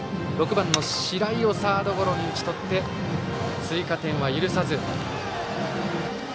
６番の白井をサードゴロに打ち取って追加点は許さず。